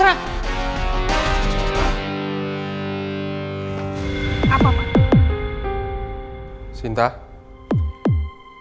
pastikan pak alec tidak berpikir